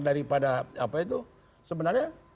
daripada apa itu sebenarnya